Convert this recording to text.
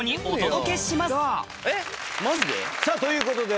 さぁということで。